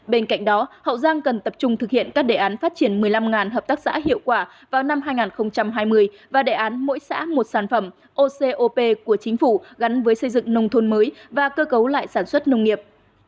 bên cạnh đó hậu giang cần tập trung thực hiện các đề án phát triển một mươi năm hợp tác xã hiệu quả vào năm hai nghìn hai mươi và đề án mỗi xã một sản phẩm ocop của chính phủ gắn với xây dựng nông thôn mới và cơ cấu lại sản xuất nông nghiệp